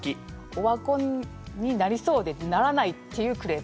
オワコンになりそうでならないっていうクレープです。